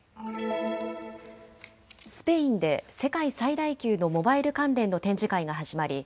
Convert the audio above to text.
スペインで世界最大級のモバイル関連の展示会が始まり